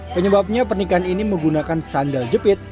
penyebabnya pernikahan ini menggunakan sandal jepit